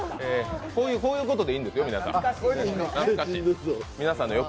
こういうことでいいんですよ、皆さん。